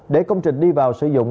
để công trình đi vào sử dụng